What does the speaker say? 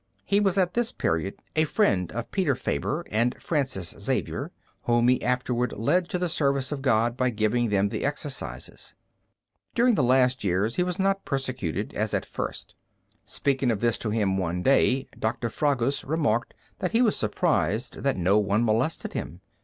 He was at this period a friend of Peter Faber and Francis Xavier, whom he afterward led to the service of God by giving them the Exercises. During the last years he was not persecuted as at first. Speaking of this to him one day, Doctor Fragus remarked that he was surprised that no one molested him.